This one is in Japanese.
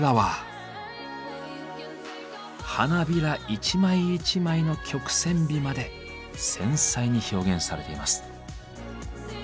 花びら一枚一枚の曲線美まで繊細に表現されています。